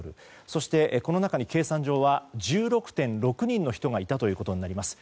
そして、この中に計算上は１６．６人の人がいたということになります。